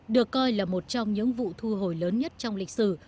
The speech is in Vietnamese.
được coi là một trong những vụ thu hồi lớn nhất trong lịch sử